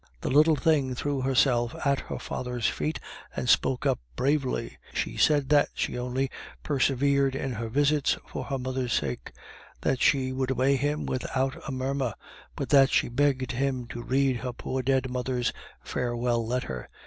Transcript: The little thing threw herself at her father's feet and spoke up bravely; she said that she only persevered in her visits for her mother's sake; that she would obey him without a murmur, but that she begged him to read her poor dead mother's farewell letter.